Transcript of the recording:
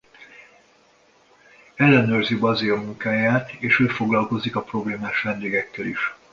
Ellenőrzi Basil munkáját és ő foglalkozik a problémás vendégekkel is.